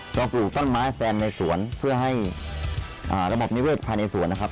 เราปลูกต้นไม้แซมในสวนเพื่อให้ระบบนิเศษภายในสวนนะครับ